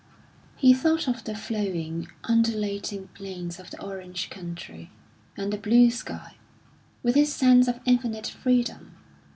He thought of the flowing, undulating plains of the Orange Country, and the blue sky, with its sense of infinite freedom.